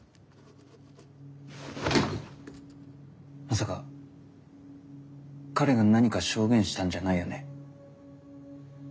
まさか彼が何か証言したんじゃないよね？